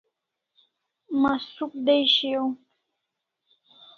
Mastruk dai shiau